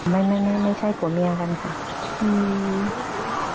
ไม่ไม่ไม่ไม่ใช่กับมียกันค่ะอืม